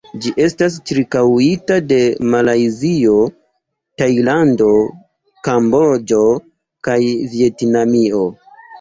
Ĝi estas ĉirkaŭita de Malajzio, Tajlando, Kamboĝo kaj Vjetnamio.